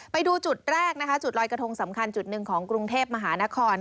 ไปดูจุดแรกนะคะจุดลอยกระทงสำคัญจุดหนึ่งของกรุงเทพมหานคร